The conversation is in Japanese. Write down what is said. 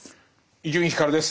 伊集院光です。